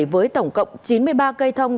với tổng cộng chín mươi ba cây thông